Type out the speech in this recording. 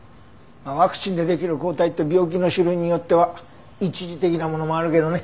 ワクチンでできる抗体って病気の種類によっては一時的なものもあるけどね。